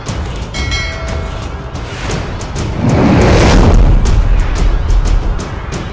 aku penasaran apa dulu teman teman kita